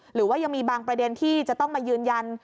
หรือว่ายังมีบางประเด็นที่จะต้องมายืนยัน